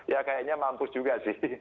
ya kayaknya mampu juga sih